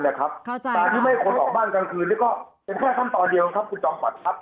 แต่การที่ไม่ให้คนออกบ้านกลางคืนนี่ก็เป็นแค่ขั้นตอนเดียวครับคุณจอมขวัญครับ